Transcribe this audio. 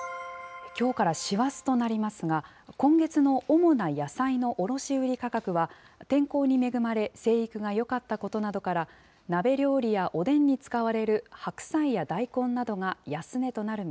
きょうから師走となりますが、今月の主な野菜の卸売価格は、天候に恵まれ、生育がよかったことなどから、鍋料理やおでんに使われる白菜や大根などが安値となる見